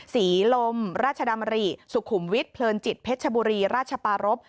ศรีลมราชดำริสุขุมวิทย์เพลินจิตเพชรชบุรีราชปารพ